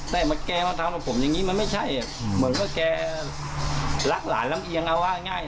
แต่แกมาทำกับผมอย่างนี้มันไม่ใช่เหมือนว่าแกรักหลานลำเอียงเอาว่าง่าย